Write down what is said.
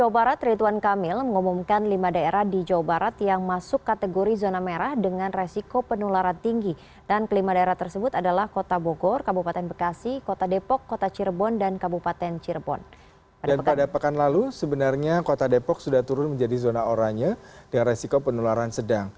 pada pekan lalu sebenarnya kota depok sudah turun menjadi zona oranya dengan resiko penularan sedang